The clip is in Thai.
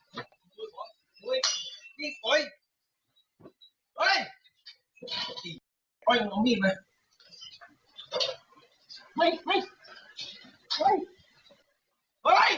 โหเขียบเองกันได้เนี่ยนะ